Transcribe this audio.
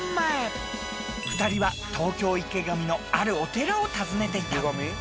［２人は東京池上のあるお寺を訪ねていた］